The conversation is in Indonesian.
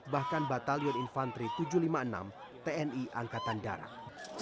bahkan batalion infantri tujuh ratus lima puluh enam tni angkatan darat